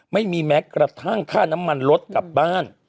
ไม่มีแม้กระทั่งค่าน้ำมันลดกลับบ้าน